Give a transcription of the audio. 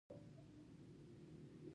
د کابل سړکونو کې بیروبار هر ورځ زياتيږي.